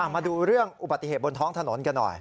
มาดูเรื่องอุบัติเหตุบนท้องถนนกันหน่อย